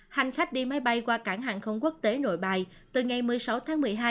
hành khách đi máy bay qua cảng hàng không quốc tế nội bài từ ngày một mươi sáu tháng một mươi hai